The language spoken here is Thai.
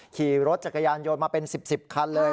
ขี่รถจักรยานยนต์มาเป็น๑๐คันเลย